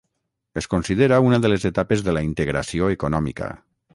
Es considera una de les etapes de la integració econòmica.